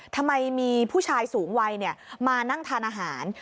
ทำไมมีผู้ชายสูงวัยมานั่งทานอาหาร